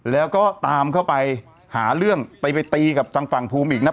แล้วก็ตามเข้าไปหาเรื่องไปไปตีกับทางฝั่งภูมิอีกนะ